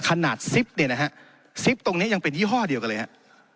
ซิปเนี่ยนะฮะซิปตรงนี้ยังเป็นยี่ห้อเดียวกันเลยครับ